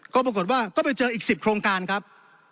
ก็ปรากฏว่าก็ไปเจออีก๑๐โครงการครับ